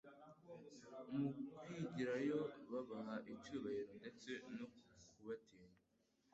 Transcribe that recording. Mu kwigirayo babaha icyubahiro, ndetse no kubatinya,